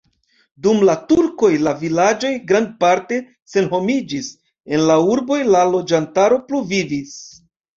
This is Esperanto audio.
Dum la turkoj la vilaĝoj grandparte senhomiĝis, en la urboj la loĝantaro pluvivis.